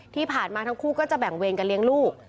ที่ผ่านมาทั้งคู่ก็จะแบ่งเวรกันเลี้ยงลูก